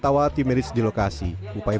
tawa timiris di lokasi upaya